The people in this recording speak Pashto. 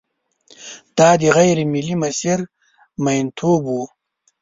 دا د غېر ملي مسیر میینتوب و.